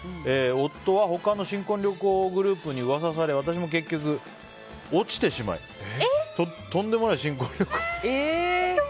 夫は他の新婚旅行グループに噂され私も結局落ちてしまいとんでもない新婚旅行でした。